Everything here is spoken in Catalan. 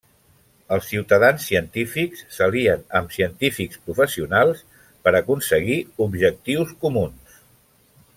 Els ciutadans científics s'alien amb científics professionals per aconseguir objectius comuns.